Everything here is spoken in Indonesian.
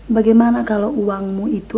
bagaimana kalau uangmu itu